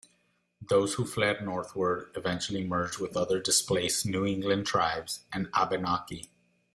Those who fled northward eventually merged with other displaced New England tribes and Abenaki.